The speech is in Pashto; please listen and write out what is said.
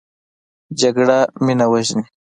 جګړه مینه وژني